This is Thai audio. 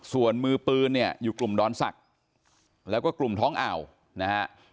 ส่วนมือปืนเนี่ยอยู่กลุ่มดอนศักดิ์แล้วก็กลุ่มท้องอ่าวนะฮะ